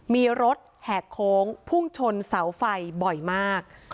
มีรถแหกโค้งพุ่งชนเสาไฟบ่อยมาก